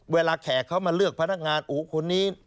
แขกเขามาเลือกพนักงานอู๋คนนี้